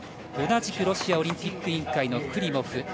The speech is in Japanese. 同じくロシアオリンピック委員会のクリモフ。